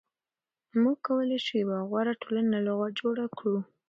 موږ کولای شو یوه غوره ټولنه جوړه کړو.